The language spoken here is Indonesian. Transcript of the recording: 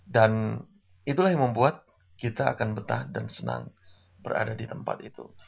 dan itulah yang membuat kita akan betah dan senang berada di tempat itu